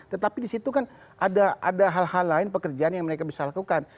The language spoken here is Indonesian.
tetapi di situ kan ada hal hal lain pekerjaan yang mereka bisa lakukan